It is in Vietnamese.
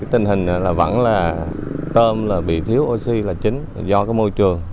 tình hình là vẫn là tôm là bị thiếu oxy là chính do cái môi trường